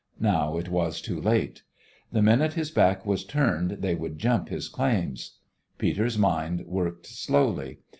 Now it was too late. The minute his back was turned they would jump his claims. Peter's mind worked slowly.